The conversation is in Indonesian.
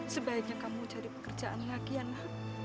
sebaiknya kamu cari pekerjaan lagi nak